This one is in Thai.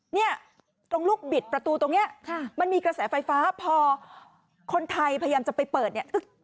เนี่ยตรงลูกบิดประตูตรงนี้มันมีกระแสไฟฟ้าพอคนไทยพยายามจะไปเปิดเนี่ย